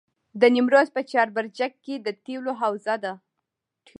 د نیمروز په چاربرجک کې د تیلو حوزه ده.